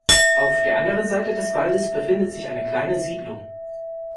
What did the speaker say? Auf der anderen Seite des Waldes befindet sich eine kleine Siedlung.